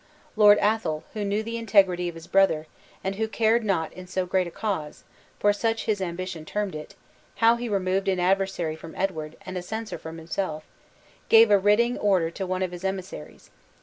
Lord Athol, who knew the integrity of his brother, and who cared not in so great a cause (for such his ambition termed it) how he removed an adversary from Edward, and a censor from himself, gave a ridding order to one of his emissaries.